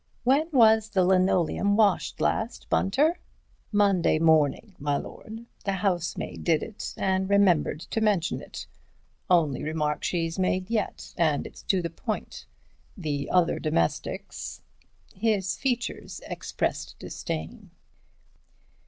When was the linoleum washed last, Bunter?" "Monday morning, my lord. The housemaid did it and remembered to mention it. Only remark she's made yet, and it's to the point. The other domestics—" His features expressed disdain.